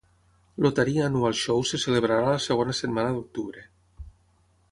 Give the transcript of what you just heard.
El Taree Annual Show es celebrarà la segona setmana d"octubre.